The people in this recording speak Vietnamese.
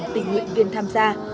ba tình nguyện viên tham gia